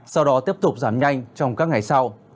sau đó tiếp tục giảm nhanh trong các ngày sau